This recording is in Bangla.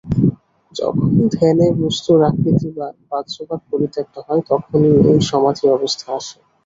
যখন ধ্যানে বস্তুর আকৃতি বা বাহ্যভাগ পরিত্যক্ত হয়, তখনই এই সমাধি-অবস্থা আসে।